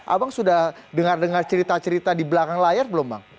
abang sudah dengar dengar cerita cerita di belakang layar belum bang